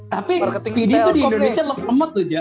tapi speedy tuh di indonesia lemot lemot tuh jack